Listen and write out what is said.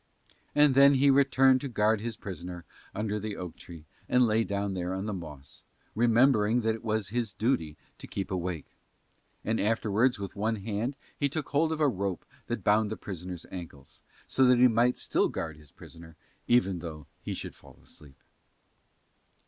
And then he returned to guard his prisoner under the oak tree and lay down there on the moss, remembering that it was his duty to keep awake. And afterwards with one hand he took hold of a rope that bound the prisoner's ankles, so that he might still guard his prisoner even though he should fall asleep.